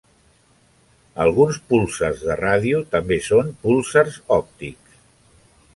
Alguns púlsars de ràdio també són púlsars òptics.